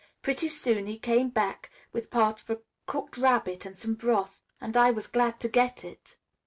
Pretty soon he came back with part of a cooked rabbit and some broth. And I was glad to get it.